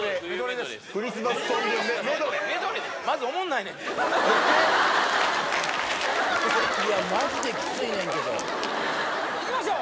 いやマジできついねんけどいきましょう